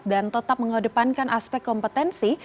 dan tetap mengedepankan aspek kompetensi